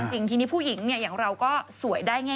จริงทีนี้ผู้หญิงอย่างเราก็สวยได้ง่าย